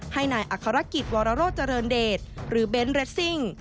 ให้นายอัครกิจวรโรเจริญเดชหรือเบนท์เรสซิ่ง